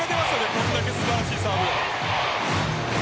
これだけ素晴らしいサーブ。